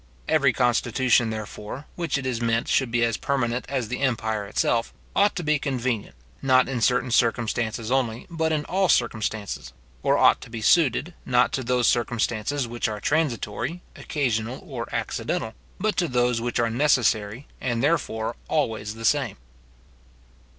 Every constitution, therefore, which it is meant should be as permanent as the empire itself, ought to be convenient, not in certain circumstances only, but in all circumstances; or ought to be suited, not to those circumstances which are transitory, occasional, or accidental, but to those which are necessary, and therefore always the same.